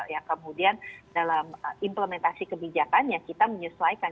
ya kemudian dalam implementasi kebijakan yang kita menyesuaikan